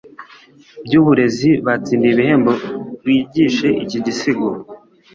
byuburezi byatsindiye ibihembo wigishe iki gisigo